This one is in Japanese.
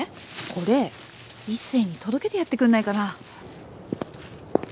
これ一星に届けてやってくれないかな？